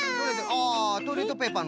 あトイレットペーパーのしん？